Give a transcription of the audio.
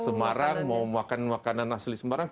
semarang mau makan makanan asli semarang